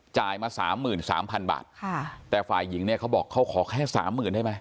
มาสามหมื่นสามพันบาทค่ะแต่ฝ่ายหญิงเนี่ยเขาบอกเขาขอแค่สามหมื่นได้ไหม